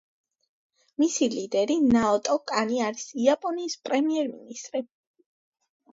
მისი ლიდერი ნაოტო კანი არის იაპონიის პრემიერ-მინისტრი.